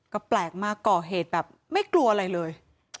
ก็แปลกมากก่อเหตุแบบไม่กลัวอะไรเลย